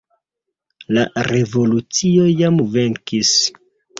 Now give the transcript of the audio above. La revolucio jam venkis.